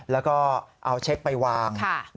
แล้วก็เอาเช็คไปวาง